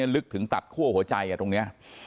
ลึกถึงตัดคั่วหัวใจตรงนี้